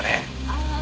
ああ